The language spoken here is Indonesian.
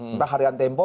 entah harian tempo